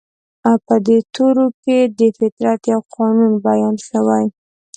په دې تورو کې د فطرت يو قانون بيان شوی.